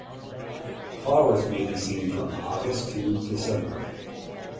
Flowers may be seen from August to December.